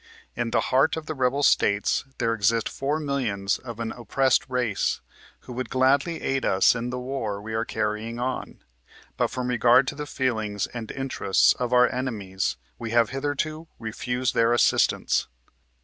In the heart of the Rebel States there exist four millions of an op pressed race, who would gladly aid us in the war we are carrying on, but from regard to the feelings and interests of our enemies we have hitherto refused their assistance.